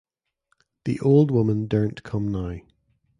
The old woman daren’t come now.